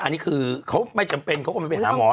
อันนี้คือเขาไม่จำเป็นเขาก็ไม่ไปหาหมอ